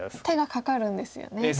手がかかるんですよね。